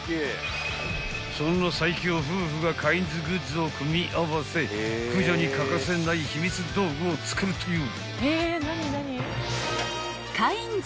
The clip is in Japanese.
［そんな最強夫婦がカインズグッズを組み合わせ駆除に欠かせない秘密道具を作るという］